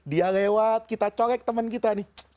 dia lewat kita colek temen kita nih